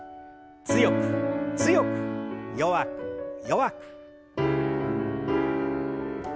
強く強く弱く弱く。